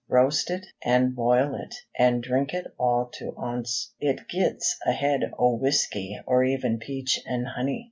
Roast it, an' boil it, and drink it all to onst. It gits ahead o' whiskey, or even peach an' honey."